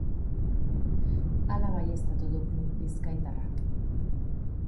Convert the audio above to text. Hala baieztatu du club bizkaitarrak.